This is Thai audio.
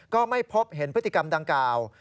ก็ไม่พบเห็นพฤติกรรมดังกล่าว